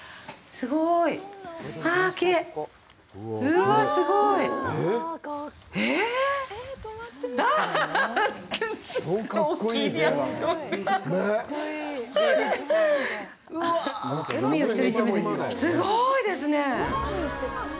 すごーいですね。